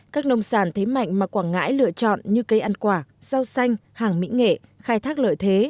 các nông sản thế mạnh mà quảng ngãi lựa chọn như cây ăn quả rau xanh hàng mỹ nghệ khai thác lợi thế